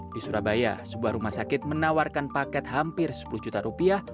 di surabaya sebuah rumah sakit menawarkan paket hampir sepuluh juta rupiah